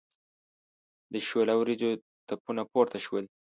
د شوله وریجو تپونه پورته شول.